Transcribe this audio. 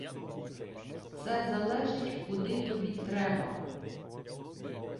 "Це залежить куди тобі треба".